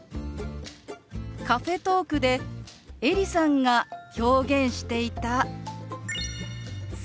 カフェトークでエリさんが表現していた「掃除」。